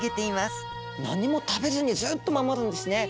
スタジオ何にも食べずにずっと守るんですね。